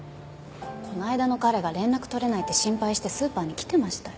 こないだの彼が連絡取れないって心配してスーパーに来てましたよ。